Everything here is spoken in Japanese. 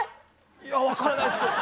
いや分からないですけど。